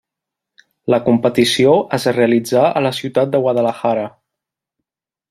La competició es realitzà a la ciutat de Guadalajara.